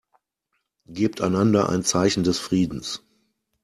Gebt einander ein Zeichen des Friedens.